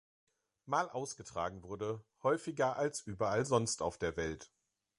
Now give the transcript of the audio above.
Mal ausgetragen wurde, häufiger als überall sonst auf der Welt.